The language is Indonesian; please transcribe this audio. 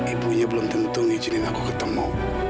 ibunya belum tentu ngizinin aku ketemu